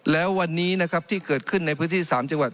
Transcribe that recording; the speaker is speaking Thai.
แล้ววันนี้นะครับที่เกิดขึ้นในพื้นที่๓จังหวัด